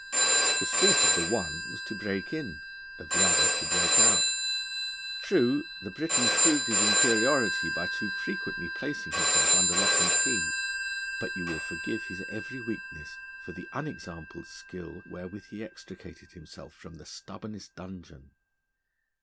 The sport of the one was to break in, of the other to break out. True, the Briton proved his inferiority by too frequently placing himself under lock and key; but you will forgive his every weakness for the unexampled skill wherewith he extricated himself from the stubbornest dungeon.